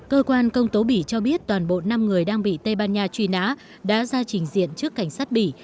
cơ quan công tố bỉ cho biết toàn bộ năm người đang bị tây ban nha truy nã đã ra trình diện trước cảnh sát bỉ